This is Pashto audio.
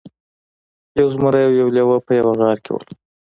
یو زمری او یو لیوه په یوه غار کې وو.